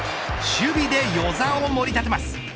守備で與座を盛り立てます。